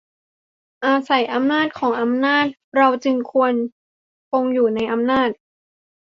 อาศัยอำนาจของอำนาจเราจึงควรคงอยู่ในอำนาจ